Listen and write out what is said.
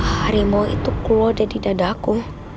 harimau itu keluar dari dadaku